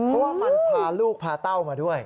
เพราะว่ามันพาลูกพาเต้ามาด้วย